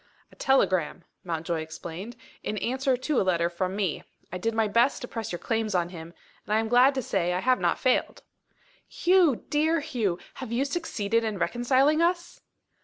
"A telegram," Mountjoy explained, "in answer to a letter from me. I did my best to press your claims on him, and I am glad to say I have not failed." "Hugh, dear Hugh! have you succeeded in reconciling us?"